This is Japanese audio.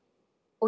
お。